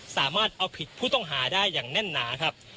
สามารถเอาผิดผู้ต้องหาได้อย่างแน่นหนาครับ